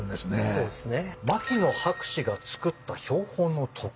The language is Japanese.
そうですね。